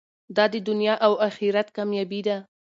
دا د دنیا او اخرت کامیابي ده.